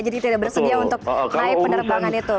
jadi tidak bersedia untuk naik penumpangan itu